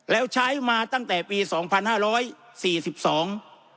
แล้วใช้มาตั้งแต่ปีสองพันห้าร้อยสี่สิบสอง